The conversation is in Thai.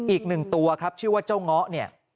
อีกหนึ่งตัวครับชื่อว่าเจ้าเงาะเนี่ย